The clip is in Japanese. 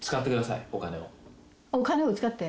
お金を使って？